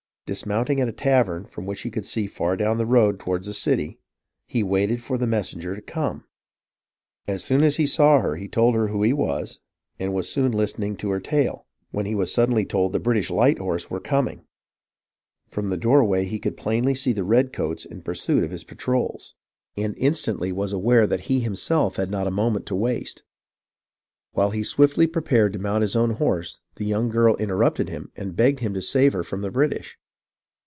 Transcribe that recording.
Dismounting at a tavern from which he could see far down the road toward the city, he waited for the messen ger to come. As soon as he saw her he told her who he was, and was soon listening to her tale, when he was sud denly told the British light horse were coming. From the doorway he could plainly see the redcoats in pursuit of his 224 HISTORY OF THE AMERICAN REVOLUTION patrols, and instantly was aware that he himself had not a moment to waste. While he swiftly prepared to mount his own horse, the young girl interrupted him and begged of him to save her from the British.